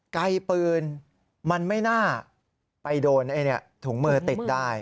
ไกลปืนมันไม่น่าไปโดนถุงมือติดได้